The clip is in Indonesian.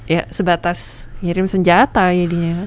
ya sebatas ngirim senjata jadinya